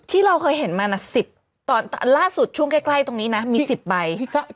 ที่เราเคยเห็นมา๑๐ตอนล่าสุดช่วงใกล้ตรงนี้นะมี๑๐ใบ